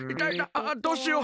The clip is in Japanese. あっどうしよう。